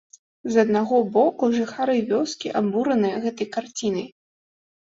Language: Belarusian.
З аднаго боку жыхары вёскі абураныя гэтай карцінай.